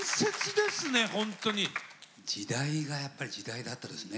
時代がやっぱり時代だったですね